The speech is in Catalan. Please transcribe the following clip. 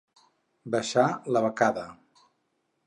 Baixar la becada.